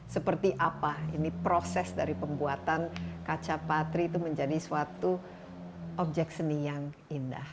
seperti apa ini proses dari pembuatan kaca patri itu menjadi suatu objek seni yang indah